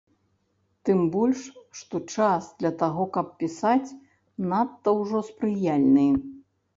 Тым больш, што час для таго, каб пісаць, надта ўжо спрыяльны.